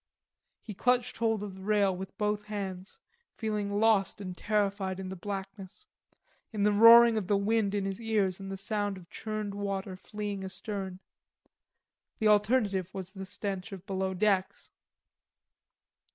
He clutched hold of the rail with both hands, feeling lost and terrified in the blackness, in the roaring of the wind in his ears and the sound of churned water fleeing astern. The alternative was the stench of below decks.